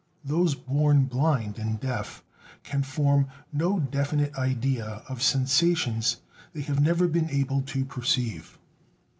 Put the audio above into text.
Those born blind and deaf can form no definite idea of sensations they have never been able to perceive.